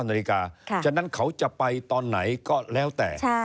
นาฬิกาฉะนั้นเขาจะไปตอนไหนก็แล้วแต่